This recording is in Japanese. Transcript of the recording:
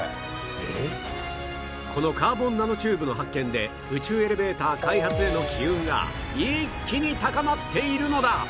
このカーボンナノチューブの発見で宇宙エレベーター開発への機運が一気に高まっているのだ！